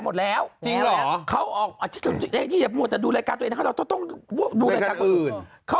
หลวงเจจะใส่วิก